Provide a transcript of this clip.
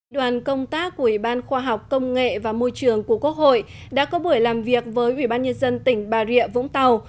đoàn công tác của ủy ban khoa học công nghệ và môi trường của quốc hội đã có buổi làm việc với ủy ban nhân dân tỉnh bà rịa vũng tàu